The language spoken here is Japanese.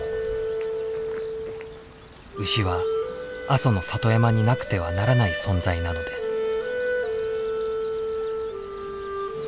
牛は阿蘇の里山になくてはならない存在なのです。